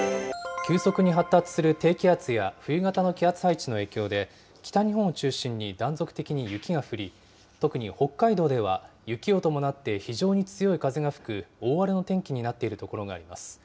急速に発達する低気圧や、冬型の気圧配置の影響で、北日本を中心に断続的に雪が降り、特に北海道では、雪を伴って非常に強い風が吹く大荒れの天気になっている所があります。